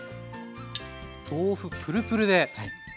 豆腐プルプルで。